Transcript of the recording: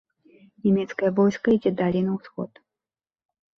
Нямецкае войска ідзе далей на ўсход.